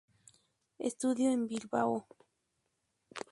Estudió en Bilbao.